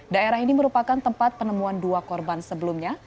daerah ini merupakan tempat penemuan dua korban sebelumnya